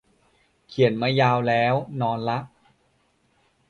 เขียนมายาวแล้ว นอนละ